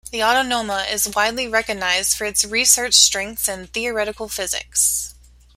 The Autonoma is widely recognised for its research strengths in theoretical physics.